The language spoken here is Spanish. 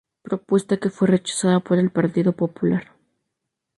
Propuesta que fue rechazada por el Partido Popular.